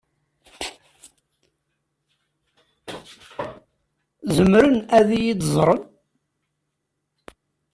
Zemren ad iyi-d-ẓren?